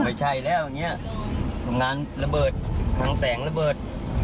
ไม่ใช่แล้วโรงงานระเบิดดังแสงระเบิด